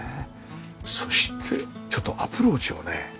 そしてちょっとアプローチをね。